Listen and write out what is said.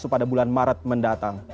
pada bulan maret mendatang